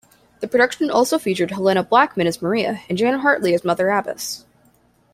The production also featured Helena Blackman as Maria and Jan Hartley as Mother Abbess.